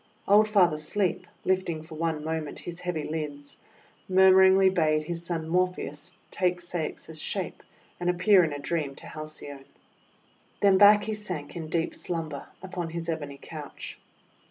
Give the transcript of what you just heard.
Old Father Sleep, lifting for one moment his heavy lids, murmuringly bade his son Morpheus take Ceyx's shape, and appear in a dream to Halcyone. Then back he sank in deep slumber upon his ebony couch.